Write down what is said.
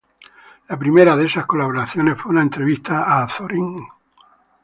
La primera de esas colaboraciones fue una entrevista a Azorín.